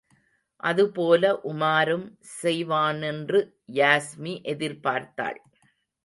அதுபோல உமாரும் செய்வானென்று யாஸ்மி எதிர்பார்த்தாள்.